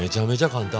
簡単！